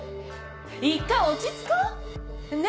一回落ち着こう？ね？